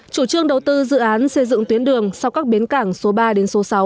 chủ trương đầu tư dự án xây dựng tuyến đường sau các bến cảng số ba đến số sáu